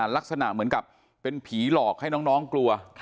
ลักษณะเหมือนกับเป็นผีหลอกให้น้องกลัว